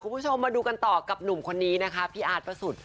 คุณผู้ชมมาดูกันต่อกับหนุ่มคนนี้นะคะพี่อาร์ตประสุทธิ์